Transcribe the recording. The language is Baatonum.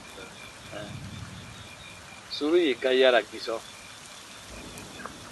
Suru ye ga yara gisɔ.